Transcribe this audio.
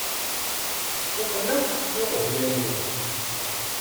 Fukken akk iɣeblan-iw.